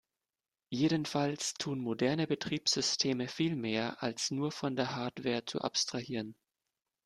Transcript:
Jedenfalls tun moderne Betriebssysteme viel mehr, als nur von der Hardware zu abstrahieren.